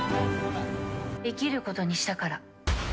生きることにしたから。